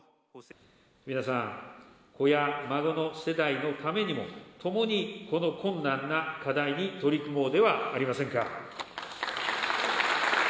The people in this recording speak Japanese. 皆さん、子や孫の世代のためにも、共にこの困難な課題に取り組もうではありませんか。